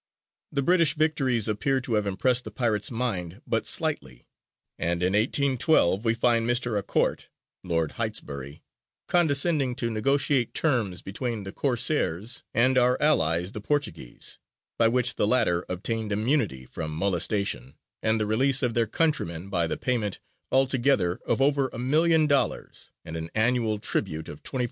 The British victories appear to have impressed the pirates' mind but slightly; and in 1812 we find Mr. A'Court (Lord Heytesbury) condescending to negotiate terms between the Corsairs and our allies the Portuguese, by which the latter obtained immunity from molestation and the release of their countrymen by the payment altogether of over a million of dollars, and an annual tribute of $24,000.